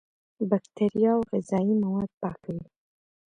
بکتریا او غذایي مواد پاکوي.